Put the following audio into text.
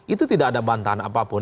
itu tidak ada bantahan apapun